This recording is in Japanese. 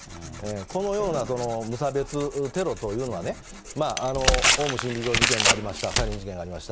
このような無差別テロというのはね、オウム真理教事件もありました、サリン事件がありました、